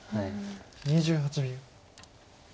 ２８秒。